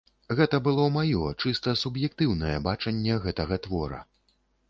Гэта было маё, чыста суб'ектыўнае бачанне гэтага твора.